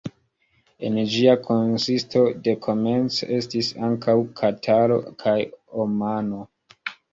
En ĝia konsisto dekomence estis ankaŭ Kataro kaj Omano.